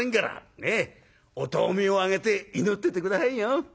ねえお灯明をあげて祈ってて下さいよ。